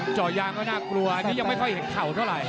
เจาะยางก็น่ากลัวอันนี้ยังไม่ค่อยเห็นเข่าเท่าไหร่